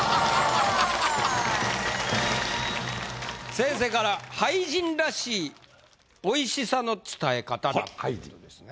先生から「俳人らしい美味しさの伝え方！」だということですね。